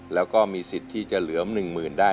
แล้วก็มีสิทธิ์ที่จะเหลือหนึ่งหมื่นได้